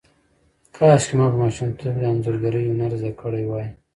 کاشکې ما په ماشومتوب کې د انځورګرۍ هنر زده کړی وای.